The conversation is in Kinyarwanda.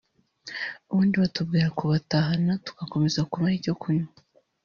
ubundi batubwira kubatahana tugakomeza kubaha icyo kunywa”